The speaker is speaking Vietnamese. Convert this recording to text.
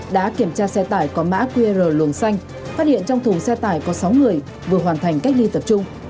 đã kiểm tra xe tải có mã qr luồng xanh phát hiện trong thùng xe tải có sáu người vừa hoàn thành cách ly tập trung